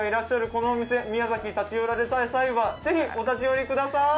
このお店、宮崎に立ち寄られた際はぜひお立ち寄りください。